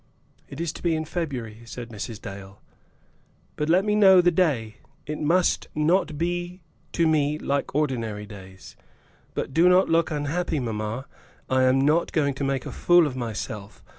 "It is to be in February," said Mrs. Dale. "But let me know the day. It must not be to me like ordinary days. But do not look unhappy, mamma; I am not going to make a fool of myself.